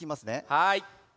はい。